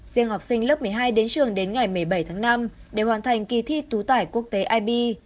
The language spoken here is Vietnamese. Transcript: riêng học sinh lớp một mươi hai đến trường đến ngày một mươi bảy tháng năm để hoàn thành kỳ thi tú tải quốc tế ib